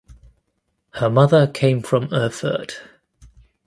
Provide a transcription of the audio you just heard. Her mother came from Erfurt.